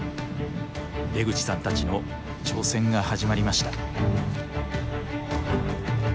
出口さんたちの挑戦が始まりました。